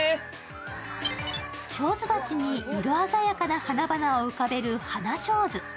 ちょうず鉢に色鮮やかな花々を浮かべる花ちょうず。